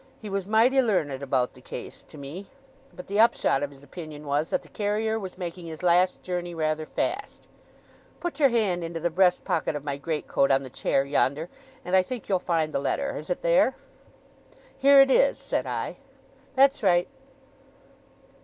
He was mighty learned about the case, to me; but the upshot of his opinion was, that the carrier was making his last journey rather fast. Put your hand into the breast pocket of my great coat on the chair yonder, and I think you'll find the letter. Is it there?' 'Here it is!' said I. 'That's right!